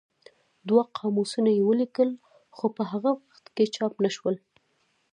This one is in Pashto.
دوه قاموسونه یې ولیکل خو په هغه وخت کې چاپ نه شول.